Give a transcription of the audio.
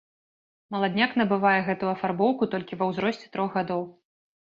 Маладняк набывае гэтую афарбоўку толькі ва ўзросце трох гадоў.